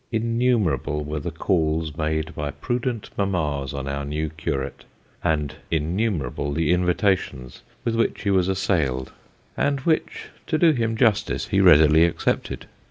Innumerable were the calls made by prudent mammas on our new curate, and in numerable the invitations with which he was assailed, and which, to do him justice, he readily accepted.